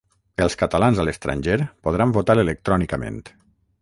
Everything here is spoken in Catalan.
Els catalans a l'estranger podran votar electrònicament